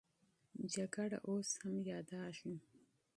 جګړه اوس هم یادېږي.